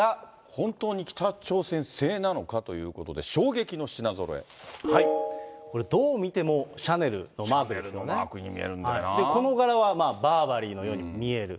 本当に北朝鮮製なのかということで、どう見てもシャネルのマークシャネルのマークに見えるんこの柄はバーバリーのようにも見える。